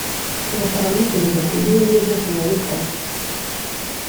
nuko aramusubiza ati ibyo umbwiye byose ndabikora